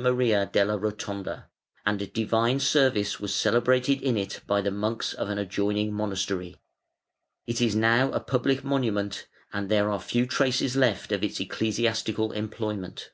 Maria della Rotonda, and divine service was celebrated in it by the monks of an adjoining monastery. It is now a "public monument" and there are few traces left of its ecclesiastical employment.